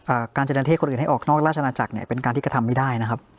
การจะดันเทศคนอื่นให้ออกนอกราชนาจักรเนี่ยเป็นการที่กระทำไม่ได้นะครับ